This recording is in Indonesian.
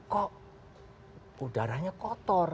kok udaranya kotor